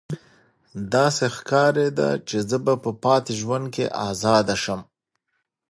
داسې ښکاریده چې زه به په پاتې ژوند کې ازاده شم